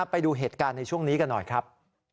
ไปดูเหตุการณ์ในช่วงนี้กันหน่อยครับ